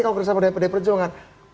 kalau dari pdi perjuangan